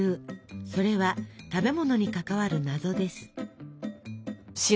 それは食べ物に関わる「謎」です。